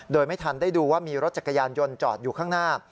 โดยไม่ทันได้ดูว่ามีรถจักรยานยนต์จอดอยู่ข้างหน้า